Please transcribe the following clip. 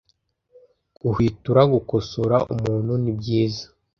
Guhwitura Gukosora umuntu ni byiza